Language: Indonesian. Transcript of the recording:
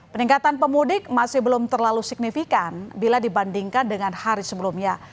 peningkatan pemudik masih belum terlalu signifikan bila dibandingkan dengan hari sebelumnya